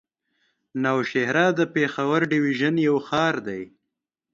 نوشهره د پېښور ډويژن يو ښار دی.